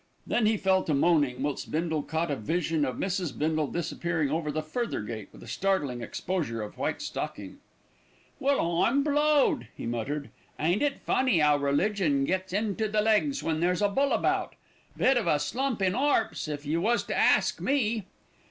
Then he fell to moaning, whilst Bindle caught a vision of Mrs. Bindle disappearing over the further gate with a startling exposure of white stocking. "Well, I'm blowed!" he muttered. "Ain't it funny 'ow religion gets into the legs when there's a bull about? Bit of a slump in 'arps, if you was to ask me!"